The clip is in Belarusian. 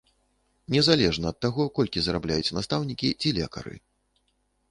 Незалежна ад таго, колькі зарабляюць настаўнікі ці лекары.